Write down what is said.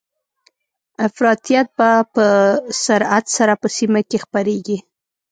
افراطيت به په سرعت سره په سیمه کې خپریږي